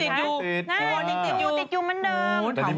ยังติดอยู่ติดอยู่เหมือนเดิม